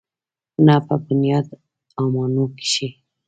نه په بنيادامانو کښې.